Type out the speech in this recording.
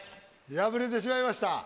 敗れてしまいました。